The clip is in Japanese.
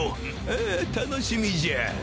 ああ楽しみじゃ